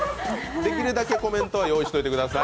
できるだけコメントは用意しておいてください。